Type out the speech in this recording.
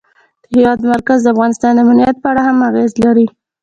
د هېواد مرکز د افغانستان د امنیت په اړه هم اغېز لري.